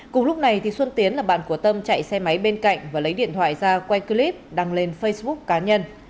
cùng lúc này xuân tiến là bạn của tâm chạy xe máy bên cạnh và lấy điện thoại ra quay clip đăng lên facebook cá nhân